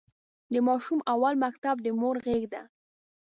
د ماشوم اول مکتب د مور غېږ ده.